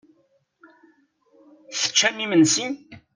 Teččamt imensi?